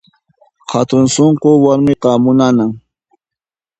Hatun sunqu warmiqa munanan